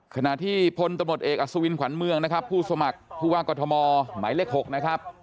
ขณะที่พลตำรวจเอกอัศวินขวัญเมืองนะครับผู้สมัครผู้ว่ากรทมหมายเลข๖นะครับ